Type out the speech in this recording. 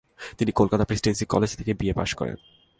তিনি কলকাতা প্রেসিডেন্সি কলেজে থেকে বিএ পাশ করেন।